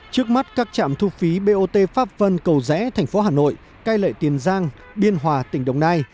trước mắt các trạm thu phí bot pháp vân cầu rẽ thành phố hà nội cai lệ tiền giang biên hòa tỉnh đồng nai